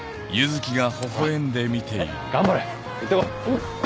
ほら頑張れ行ってこい。